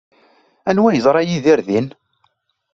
Anwa ay yeẓra Yidir din?